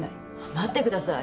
待ってください。